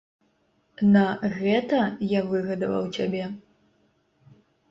На гэта я выгадаваў цябе?